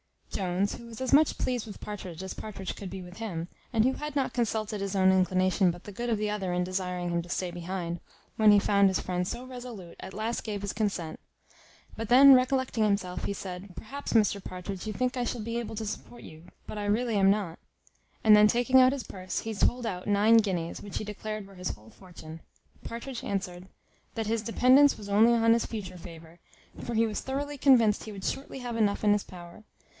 Jones, who was as much pleased with Partridge as Partridge could be with him, and who had not consulted his own inclination but the good of the other in desiring him to stay behind, when he found his friend so resolute, at last gave his consent; but then recollecting himself, he said, "Perhaps, Mr Partridge, you think I shall be able to support you, but I really am not;" and then taking out his purse, he told out nine guineas, which he declared were his whole fortune. Partridge answered, "That his dependence was only on his future favour; for he was thoroughly convinced he would shortly have enough in his power.